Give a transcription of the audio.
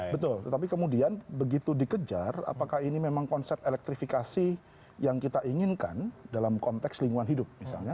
betul tetapi kemudian begitu dikejar apakah ini memang konsep elektrifikasi yang kita inginkan dalam konteks lingkungan hidup misalnya